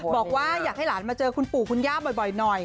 บอกว่าอยากให้หลานมาเจอคุณปู่คุณย่าบ่อยหน่อย